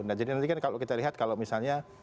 nah jadi nanti kan kalau kita lihat kalau misalnya